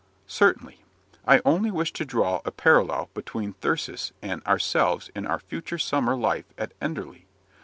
"Certainly; I only wish to draw a parallel between Thyrsis and ourselves in our future summer life at Enderley.